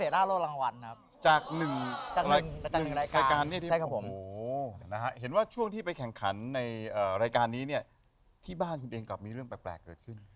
ตอนนี้เนี่ยที่บ้านคุณเป็นก็มีเรื่องแปลกเกิดขึ้น